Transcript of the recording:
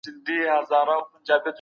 قصاص د عدل نښه ده.